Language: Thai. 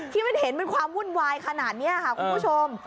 ที่มันเห็นเป็นความวุ่นวายขนาดนี้ค่ะคุณผู้ชม